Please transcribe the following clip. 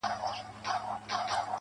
د ميني ننداره ده، د مذهب خبره نه ده~